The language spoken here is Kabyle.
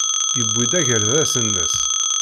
Yewwi-d agerdas-nnes.